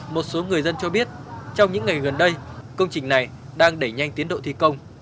một số người dân cho biết trong những ngày gần đây công trình này đang đẩy nhanh tiến độ thi công